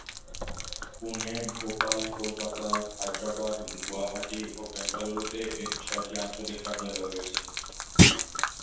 পুনে, ভোপাল, কলকাতা, হায়দ্রাবাদ, গুয়াহাটি ও বেঙ্গালুরুতে এর ছয়টি আঞ্চলিক কার্যালয় রয়েছে।